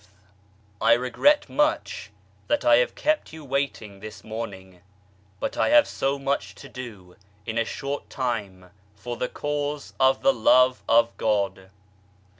T REGRET much that I have kept you waiting this * morning, but I have so much to do in a short time for the Cause of the Love of God.